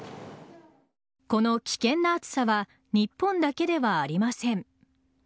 この危険な暑さは日本だけではありません。